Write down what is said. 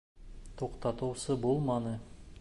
Туҡтатыусы булманы.